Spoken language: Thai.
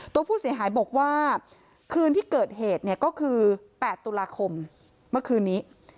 ตัวผู้เสียหายบอกว่าคืนที่เกิดเหตุเนี่ยก็คือ๘ตุลาคมเมื่อคืนนี้